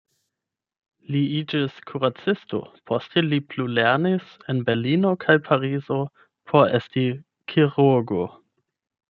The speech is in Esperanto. Li iĝis kuracisto, poste li plulernis en Berlino kaj Parizo por esti kirurgo.